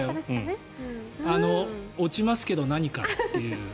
落ちますけど、何か？という。